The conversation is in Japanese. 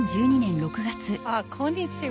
ああこんにちは。